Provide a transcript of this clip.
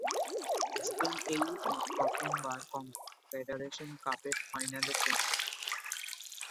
Spain এই প্রথম বার কনফেডারেশন কাপের ফাইনালে পৌঁছে।